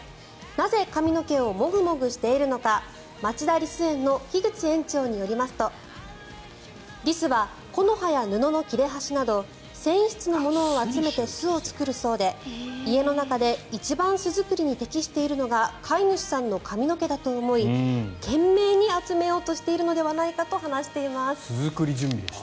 なぜ髪の毛をモグモグしているのか町田リス園の樋口園長によりますとリスは木の葉や布の切れ端など繊維質のものを集めて巣を作るそうで、家の中で一番巣作りに適しているのが飼い主さんの髪の毛だと思い懸命に集めようとしているのではないかと話しています。